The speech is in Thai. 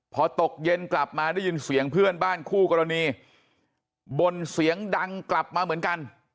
พอตกเย็นกลับมาได้ยินเสียงเพื่อนบ้านคู่กรณีบ่นเสียงดังกลับมาเหมือนกัน